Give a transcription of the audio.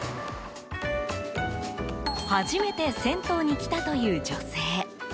初めて銭湯に来たという女性。